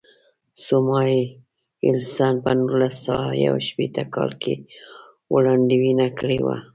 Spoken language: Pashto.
ساموېلسن په نولس سوه یو شپېته کال کې وړاندوینه کړې وه.